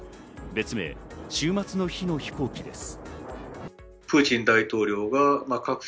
別名、終末の日の飛行機です。